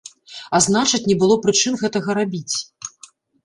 А значыць не было прычын гэтага рабіць.